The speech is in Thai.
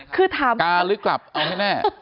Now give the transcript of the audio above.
เขาถามกลาบมั้ยกลาบเอาให้แน่ฮะฮะ